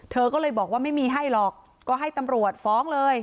เธอก็เลยบอกว่าไม่มีให้หรอกก็ให้ตำรวจฟ้องเลย